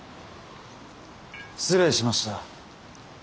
失礼しました。